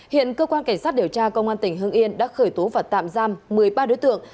hiện cơ quan cảnh sát điều tra công an tỉnh hưng yên đã khởi tố và tạm giam một mươi ba đối tượng